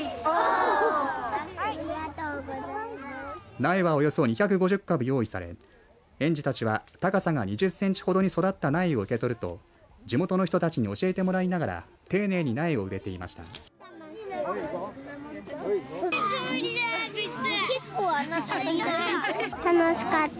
苗は、およそ２５０株用意され園児たちは高さが２０センチほどに育った苗を受け取ると地元の人たちに教えてもらいながら丁寧に苗を植えていました。